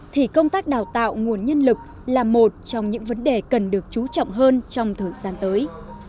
thì công tác đào tạo nguồn nhân lực là một trong những vấn đề cần được chú trọng hơn trong thời gian tới